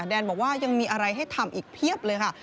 แดนบอกว่ายังมีอะไรให้ทำอีกเพียบเลยค่ะ